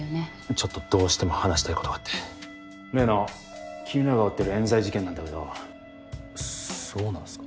ちょっとどうしても話し例の君らが追ってるえん罪事件なんだけどそうなんすか？